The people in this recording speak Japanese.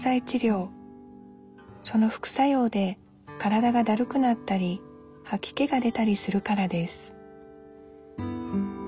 その副作用で体がだるくなったりはき気が出たりするからです